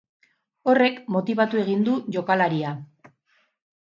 Horrek motibatu egin du jokalaria.